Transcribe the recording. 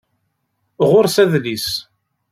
Ɣur-s adlis